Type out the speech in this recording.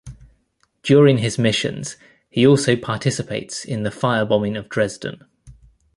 During his missions, he also participates in the firebombing of Dresden.